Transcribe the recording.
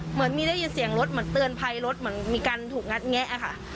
เหมือนมีได้ยินเสียงรถเหมือนเตือนภัยรถเหมือนมีการถูกงัดแงะค่ะ